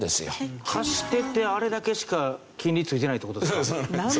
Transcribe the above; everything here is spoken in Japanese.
貸しててあれだけしか金利付いてないって事ですか？